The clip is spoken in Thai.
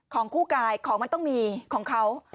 ของคู่กายของมันต้องมีของเขา